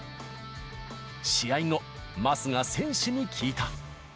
試合後、桝が選手に聞いた。